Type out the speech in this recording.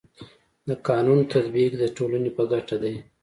د قانونو تطبیق د ټولني په ګټه دی.